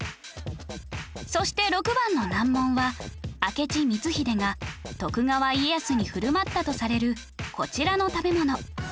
そして６番の難問は明智光秀が徳川家康に振る舞ったとされるこちらの食べ物